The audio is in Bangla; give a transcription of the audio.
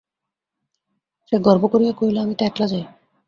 সে গর্ব করিয়া কহিল, আমি তো একলা যাই!